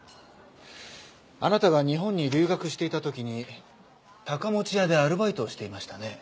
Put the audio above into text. あなたが日本に留学していた時に高持屋でアルバイトをしていましたね？